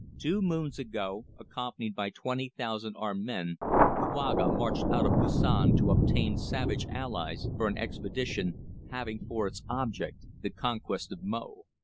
Two moons ago, accompanied by twenty thousand armed men, Kouaga marched out of Koussan to obtain savage allies for an expedition, having for its object the conquest of Mo."